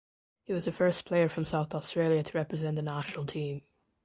He was the first player from South Australia to represent the national team.